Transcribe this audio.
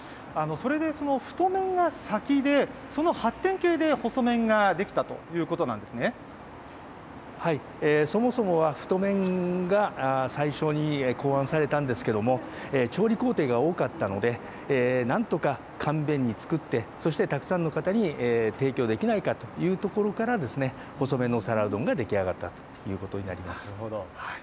それでその太麺が先で、その発展形で細麺が出来たということなんそもそもは、太麺が最初に考案されたんですけれども、調理工程が多かったので、なんとか簡便に作って、そしてたくさんの方に提供できないかというところから、細麺の皿うどんが出来上がったということになります。